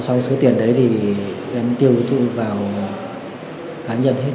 sau số tiền đấy thì em tiêu thụ vào cá nhân hết